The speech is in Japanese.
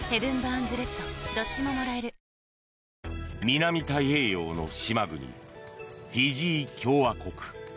南太平洋の島国フィジー共和国。